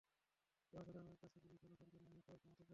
জনসাধারণের কাছে পুলিশ হলো সরকারের মুখ এবং ক্ষমতা কেন্দ্র।